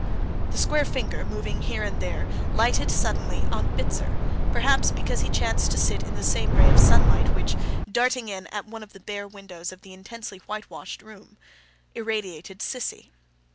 The square finger, moving here and there, lighted suddenly on Bitzer, perhaps because he chanced to sit in the same ray of sunlight which, darting in at one of the bare windows of the intensely white washed room, irradiated Sissy.